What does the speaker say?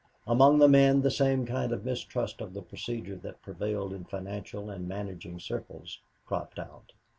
Among the men the same kind of mistrust of the procedure that prevailed in financial and managing circles cropped out.